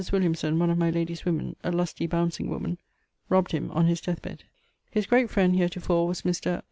Williamson, one of my lady's woemen, a lusty, bouncing woman, ... robbed him on his death bed.... His great friend heretofore was Mr.